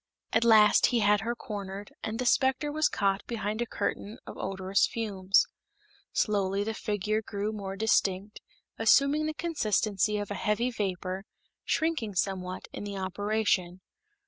At last he had her cornered, and the specter was caught behind a curtain of odorous fumes. Slowly the figure grew more distinct, assuming the consistency of a heavy vapor, shrinking somewhat in the operation.